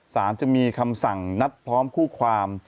สารจะมีคำสั่งนัดพร้อมคู่ความ